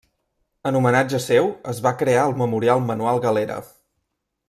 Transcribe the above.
En homenatge seu es va crear el Memorial Manuel Galera.